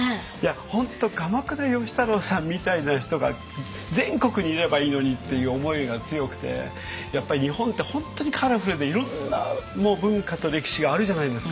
本当鎌倉芳太郎さんみたいな人が全国にいればいいのにっていう思いが強くてやっぱり日本って本当にカラフルでいろんな文化と歴史があるじゃないですか。